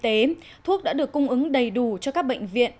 tuy nhiên thuốc đã được cung ứng đầy đủ cho các bệnh viện